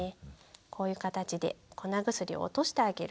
こういう形で粉薬を落としてあげる。